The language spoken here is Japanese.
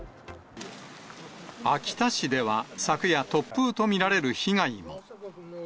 秋田市では昨夜、突風と見られる被害も。